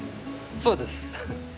そうです。